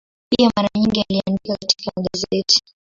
Pia mara nyingi aliandika katika magazeti.